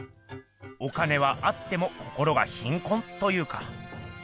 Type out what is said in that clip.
お金はあっても心が貧困というか。